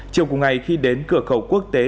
chiều cùng ngày khi đến cửa khẩu quốc tế